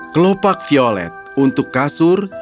kelopak violet untuk kasur